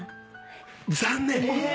残念！